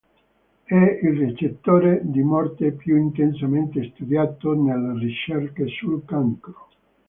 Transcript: È il recettore di morte più intensamente studiato nelle ricerche sul cancro.